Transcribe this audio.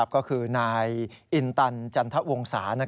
ก็คือนายอินตันจันทวงศา